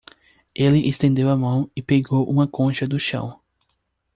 Ele estendeu a mão e pegou uma concha do chão.